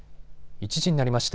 １時になりました。